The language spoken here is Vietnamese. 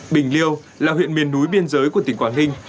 bình liêu là huyện miền núi biên giới của tỉnh quảng ninh